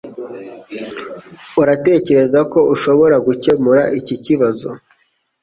Uratekereza ko ushobora gukemura iki kibazo